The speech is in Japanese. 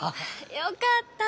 よかった！